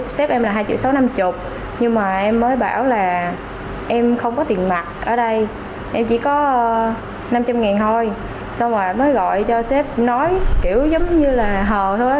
xong rồi mới gọi cho sếp nói kiểu giống như là hờ thôi